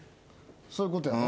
そういうことやな。